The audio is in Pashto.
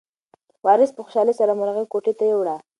وارث په خوشحالۍ سره مرغۍ کوټې ته یووړه.